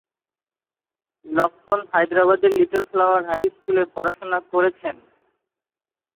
লক্ষ্মণ হায়দরাবাদের little flower high স্কুলে পড়াশোনা করেছেন।